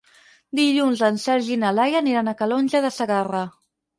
Dilluns en Sergi i na Laia aniran a Calonge de Segarra.